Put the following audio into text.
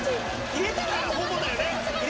入れたらほぼだよね。